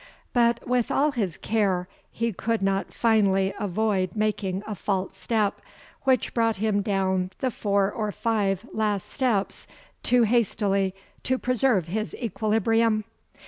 But with all his care he could not finally avoid making a false step, which brought him down the four or five last steps too hastily to preserve his equilibrium.